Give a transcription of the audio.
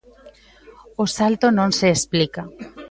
O salto non se explica.